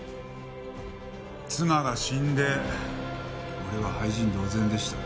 妻が死んで俺は廃人同然でした。